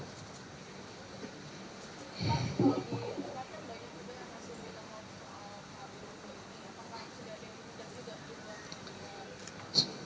pak sudah ada yang tidak sudah berhubungan dengan